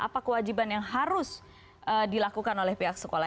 apa kewajiban yang harus dilakukan oleh pihak sekolah